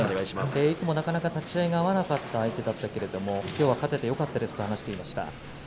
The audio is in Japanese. いつもなかなか立ち合い合わなかったんだけどもきょうは勝ててよかったですと話していました。